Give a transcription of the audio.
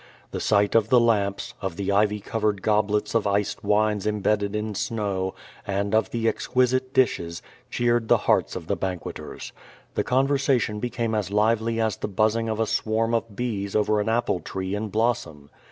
The sight of tiie lamps, of the ivy covered goblets of iced wines imbedded in snow, and of the exquisite dishes, cheered the hearts of the banqueters. The conversation became as lively as the buzzing of a swarm of bees over an apple tree in blos som.